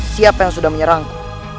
siapa yang sudah menyerangku